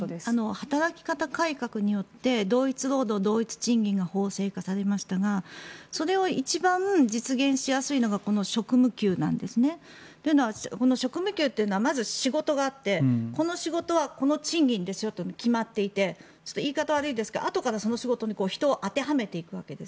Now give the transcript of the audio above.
働き方改革によって同一労働同一賃金が法制化されましたがそれを一番実現しやすいのがこの職務給なんですね。というのはこの職務給というのはまず仕事があってこの仕事はこの賃金ですよと決まっていて言い方悪いですがあとからその仕事に人を当てはめていくわけです。